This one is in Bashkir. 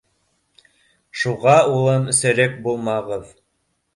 Шуға, улым, серек булмағыҙ!